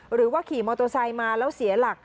หรือว่าขี่มอเตอร์ไซค์มาแล้วเสียหลัก